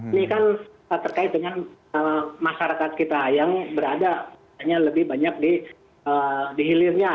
ini kan terkait dengan masyarakat kita yang berada lebih banyak di hilirnya